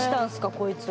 こいつは。